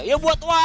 ya buat warga